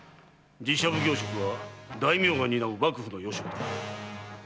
寺社奉行職は大名が担う幕府の要職だ。